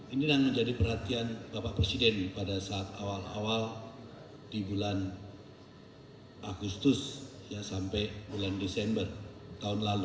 ini yang menjadi perhatian bapak presiden pada saat awal awal di bulan agustus sampai bulan desember tahun lalu